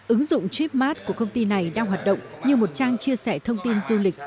ứng dụng tripmath của công ty này đang hoạt động như một trang chia sẻ thông tin du lịch